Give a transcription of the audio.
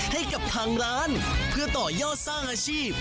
ให้กับทางร้านเพื่อต่อยอดสร้างอาชีพ